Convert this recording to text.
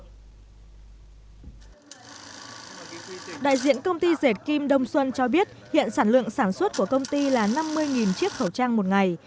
đại diện công ty dệt kim đông xuân cho biết hiện sản lượng sản xuất của công ty là năm mươi chiếc khẩu trang một ngày